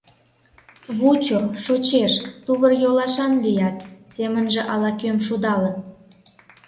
Вучо — шочеш, тувыр-йолашан лият, — семынже ала-кӧм шудалын.